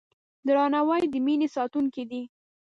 درناوی د مینې ساتونکی دی.